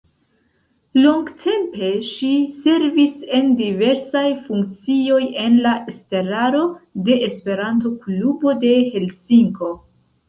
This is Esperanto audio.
Longtempe ŝi servis en diversaj funkcioj en la estraro de Esperanto-Klubo de Helsinko.